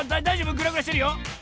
グラグラしてるよ。